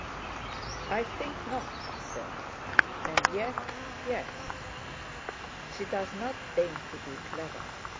"I think not," he said, "and yet—yes. She does not deign to be clever....